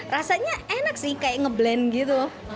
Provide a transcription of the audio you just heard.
rasanya enak sih kayak nge blend gitu